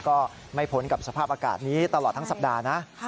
ก็ไม่พ้นกับสภาพอากาศนี้ตลอดทั้งสัปดาห์นะ